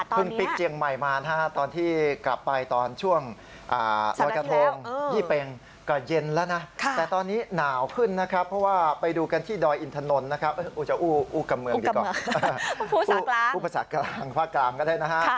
ขึ้นไปที่ภาคเหนือกันหน่อยคุณสืบสกุลที่บ้านคุณพึ่งกลับมา